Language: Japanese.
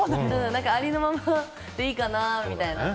ありのままでいいかなみたいな。